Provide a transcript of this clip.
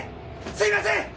すいません！